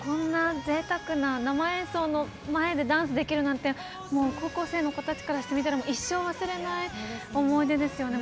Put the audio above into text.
こんな贅沢な生演奏の前でダンスできるなんて高校生たちの子からしてみたら一生忘れない思い出ですよね。